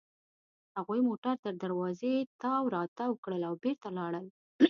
هغوی موټر تر دروازې تاو راتاو کړل او بېرته لاړل.